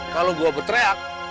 kalau gue betreak